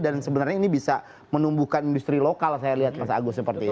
dan sebenarnya ini bisa menumbuhkan industri lokal saya lihat mas agus seperti itu